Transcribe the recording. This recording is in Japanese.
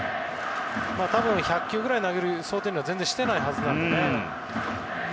多分１００球くらい投げる想定は全然してないはずなので。